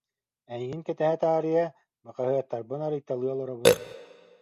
Эйигин кэтэһэ таарыйа, бу хаһыаттарбын арыйталыы олоробун